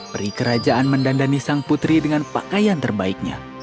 perikerajaan mendandani sang putri dengan pakaian terbaiknya